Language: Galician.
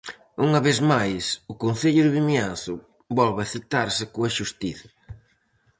Unha vez máis, o Concello de Vimianzo volve a citarse coa xustiza.